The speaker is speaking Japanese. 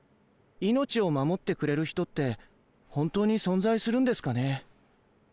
命を守ってくれる人って本当に存在するんですかね。